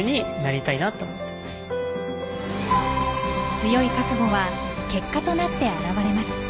強い覚悟は結果となって表れます。